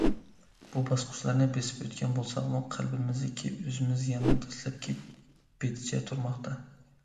بۇ باسقۇچلارنى بېسىپ ئۆتكەن بولساقمۇ، قەلبىمىزدىكى ئۆزىمىز يەنىلا دەسلەپكى پېتىچە تۇرماقتا.